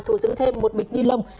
thu dựng thêm một bịch ni lông